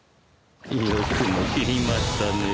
よくも斬りましたね。